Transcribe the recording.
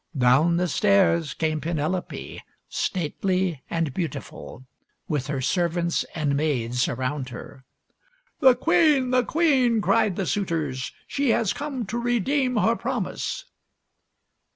Down the stairs came Penel ope, stately and beautiful, with her servants and maids around her. " The queen ! the queen !" cried the suitors. " She has come to redeem her promise."